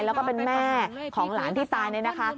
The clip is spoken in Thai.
แล้วก็เป็นแม่ของหลานที่ตายเนี่ยนะคะ